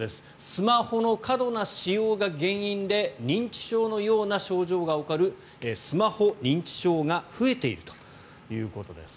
スマホの過度な使用が原因で認知症のような症状が起こるスマホ認知症が増えているということです。